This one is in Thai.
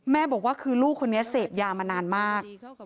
บอกว่าคือลูกคนนี้เสพยามานานมาก